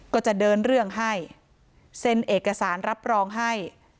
ก็จะเดินเรื่องให้เซ็นเอกสารรับรองให้